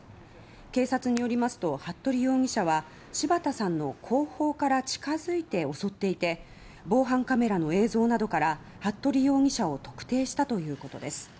警察によりますと服部容疑者は柴田さんの後方から近づいて襲っていて防犯カメラの映像などから服部容疑者を特定したということです。